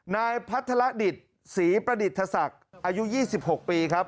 นายพัทรดิตศรีประดิษฐศักดิ์อายุ๒๖ปีครับ